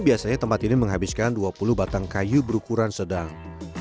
biasanya tempat ini menghabiskan dua puluh batang kayu berukuran sedang